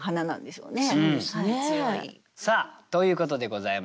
さあということでございまして